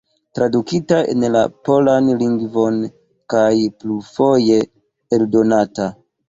Tradukita en la polan lingvon kaj plurfoje eldonata.